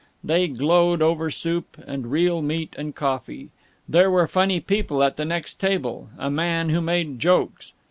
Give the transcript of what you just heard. They glowed over soup and real meat and coffee. There were funny people at the next table a man who made jokes.